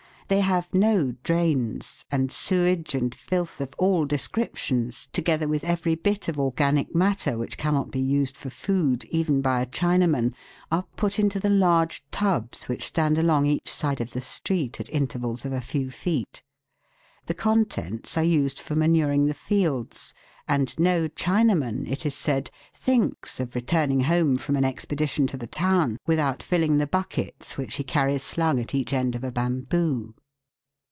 They have no drains, and sewage and filth of all descriptions, together with every bit of organic matter, which cannot be used for food, even by a Chinaman, are put into the large tubs which stand along each side of the streets, at intervals of a few feet. The contents are used for manuring the fields, and no Chinaman, it is said, thinks of returning home from an expedition to the town without HUMAN HAIR. 299 filling the buckets which he carries slung at each end of a bamboo.